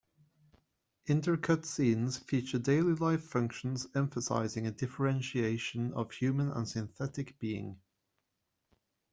Inter-cut scenes feature daily life functions, emphasizing a differentiation of human and synthetic being.